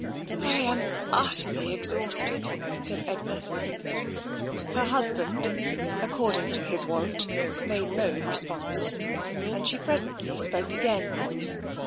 " I am utterly exhausted," said Edna. Her husband, according to his wont, made no re sponse, and she presently spoke again.